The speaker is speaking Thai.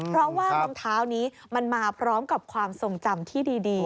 เพราะว่ารองเท้านี้มันมาพร้อมกับความทรงจำที่ดี